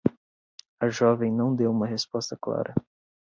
A jovem não deu uma resposta clara.